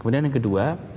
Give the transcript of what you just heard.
kemudian yang kedua